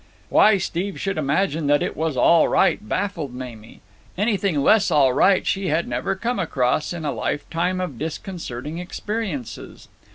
Why Steve should imagine that it was all right baffled Mamie. Anything less all right she had never come across in a lifetime of disconcerting experiences.